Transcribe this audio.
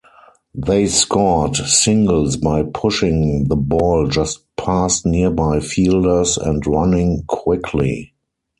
They scored singles by pushing the ball just past nearby fielders and running quickly.